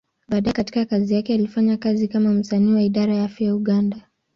Baadaye katika kazi yake, alifanya kazi kama msanii wa Idara ya Afya ya Uganda.